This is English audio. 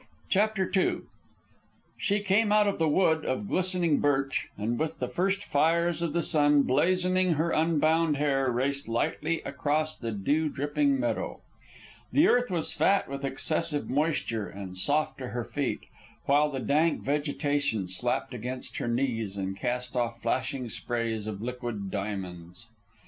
CHAPTER II She came out of the wood of glistening birch, and with the first fires of the sun blazoning her unbound hair raced lightly across the dew dripping meadow. The earth was fat with excessive moisture and soft to her feet, while the dank vegetation slapped against her knees and cast off flashing sprays of liquid diamonds.